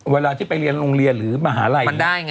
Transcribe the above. เวลาที่ไปเรียนโรงเรียนหรือมหาลัย